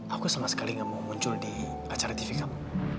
aku sama sekali gak mau muncul di acara tv kamu